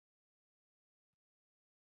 工尺谱的唱名大致上接近过去的中州音。